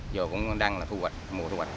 giờ cũng đang là thu hoạch mua thu hoạch